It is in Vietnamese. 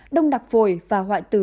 đông đặc phổi và hoại tử